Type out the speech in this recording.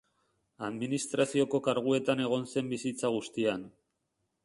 Administrazioko karguetan egon zen bizitza guztian.